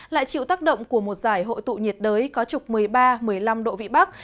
lại chịu tác động của một giải hội tụ nhiệt đới có trục một mươi ba một mươi năm độ vị bắc